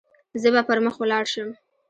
زه به پر مخ ولاړ شم.